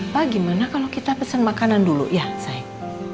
pa gimana kalau kita pesen makanan dulu ya sayang